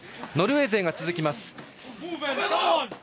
ノルウェー勢が続きます。